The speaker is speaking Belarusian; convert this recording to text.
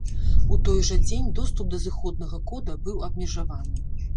У той жа дзень, доступ да зыходнага кода быў абмежаваны.